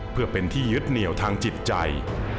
เพื่อเป็นที่ยึดเหนียวทางจิตใจ